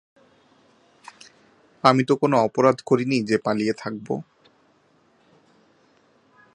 আমি তো কোনো অপরাধ করি নি যে পালিয়ে থাকব।